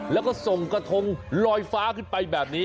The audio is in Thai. แล้วก็ส่งกระทงลอยฟ้าขึ้นไปแบบนี้